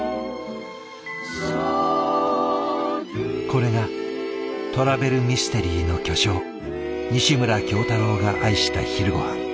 これがトラベルミステリーの巨匠西村京太郎が愛した昼ごはん。